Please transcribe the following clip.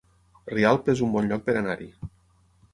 Rialp es un bon lloc per anar-hi